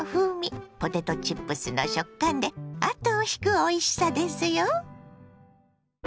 ポテトチップスの食感で後を引くおいしさですよ。